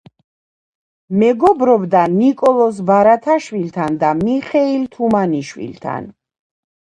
მეგობრობდა ნიკოლოზ ბარათაშვილთან და მიხეილ თუმანიშვილთან.